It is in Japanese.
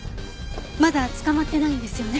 まだ捕まってないんですよね？